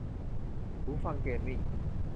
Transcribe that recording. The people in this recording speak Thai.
หูฟังเกมมิ่ง